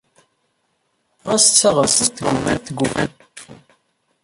Ɣas ttaɣen-tent ggumman ad cfun.